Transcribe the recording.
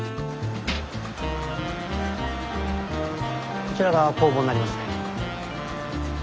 こちらが工房になりますね。